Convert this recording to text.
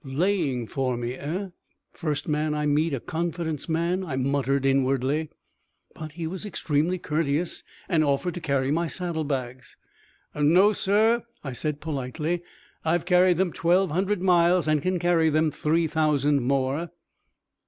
"Laying for me, eh? first man I meet a confidence man," I muttered inwardly. But he was extremely courteous, and offered to carry my saddle bags. "No, sir," I said, politely. "I've carried them twelve hundred miles, and can carry them three thousand more."